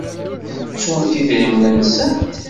Ttunt idrimen-nsent?